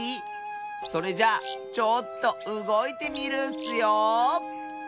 それじゃあちょっとうごいてみるッスよ。